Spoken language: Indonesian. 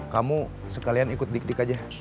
kamu sekalian ikut diktik aja